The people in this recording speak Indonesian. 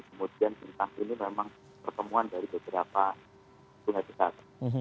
kemudian sintang ini memang pertemuan dari beberapa sungai besar